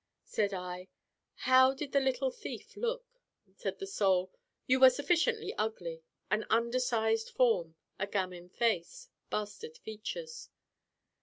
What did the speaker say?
Said I: 'How did the little Thief look?' Said the Soul: 'You were sufficiently ugly an undersized form, a gamin face, bastard features.